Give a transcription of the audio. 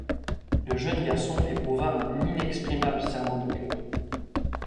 Le jeune garçon éprouva un inexprimable serrement de cœur